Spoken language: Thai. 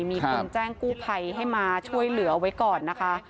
มีคนแจ้งกู้ไภให้มาช่วยเหลือไว้ก่อน